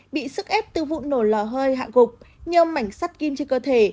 bị sức ép từ vụ nổ lò hơi hạ gục nhiều mảnh sắt kim trên cơ thể